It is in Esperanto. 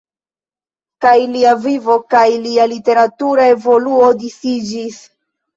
Kaj lia vivo kaj lia literatura evoluo disiĝis.